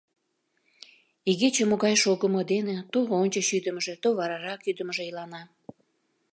Игече могай шогымо дене то ончыч ӱдымыжӧ, то варарак ӱдымыжӧ илана.